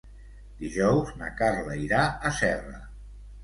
Dijous na Carla irà a Serra.